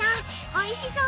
おいしい！